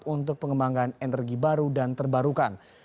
untuk pengembangan energi baru dan terbarukan